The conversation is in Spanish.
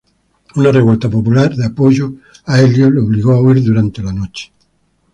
Una revuelta popular de apoyo a Elío lo obligó a huir durante la noche.